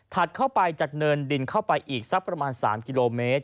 เข้าไปจากเนินดินเข้าไปอีกสักประมาณ๓กิโลเมตร